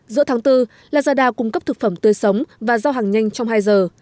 giữa tháng bốn lazada cung cấp thực phẩm tươi sống và giao hàng nhanh trong hai giờ